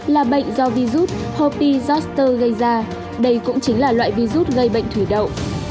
là bệnh do virus hopi zoster gây ra đây cũng chính là loại virus gây bệnh thủy đậu